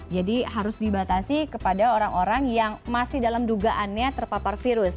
jadi harus dibatasi kepada orang orang yang masih dalam dugaannya terpapar virus